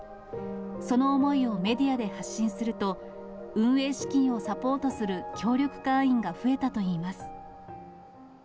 その思いをメディアで発信すると、運営資金をサポートする協力会員が増えたといいます。